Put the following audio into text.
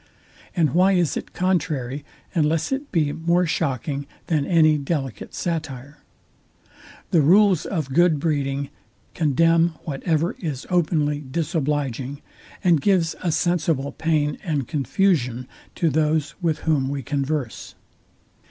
And why is it contrary, unless it be more shocking than any delicate satire? The rules of good breeding condemn whatever is openly disobliging, and gives a sensible pain and confusion to those, with whom we converse.